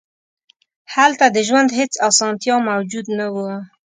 هلته د ژوند هېڅ اسانتیا موجود نه وه.